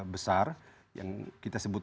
besar yang kita sebut